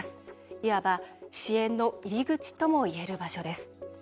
いわば支援の入り口ともいえる場所です。